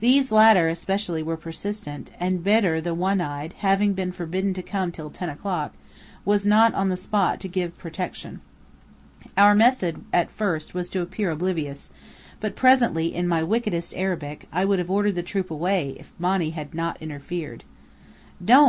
These latter, especially, were persistent, and Bedr the One Eyed, having been forbidden to come till ten o'clock, was not on the spot to give protection. Our method at first was to appear oblivious, but presently in my wickedest Arabic, I would have ordered the troop away if Monny had not interfered. "Don't!"